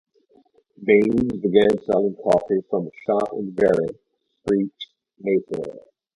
Baines began selling coffee from a shop in Vere Street, Mayfair.